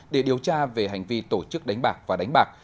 để điều tra về hành vi tổ chức đánh bạc và đánh bạc